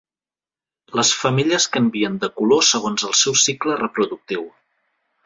Les femelles canvien de color segons el seu cicle reproductiu.